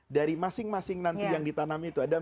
dari masing masing nanti yang ditanam itu